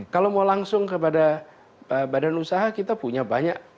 kalau mau langsung kepada badan usaha kita punya banyak